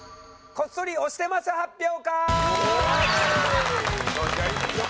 こっそり推してます発表会！